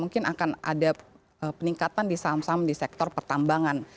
mungkin akan ada peningkatan di sektor pertambangan